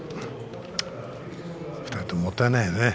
２人とももったいないよね。